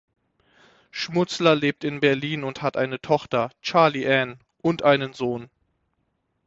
Schmutzler lebt in Berlin und hat eine Tochter, Charley Ann, und einen Sohn.